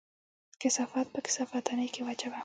کثافات په کثافت دانۍ کې واچوه